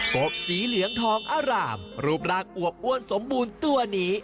กบสีเหลืองทองอร่ามรูปร่างอวบอ้วนสมบูรณ์ตัวนี้